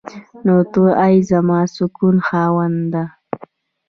نو ته ای زما د سکوت خاونده.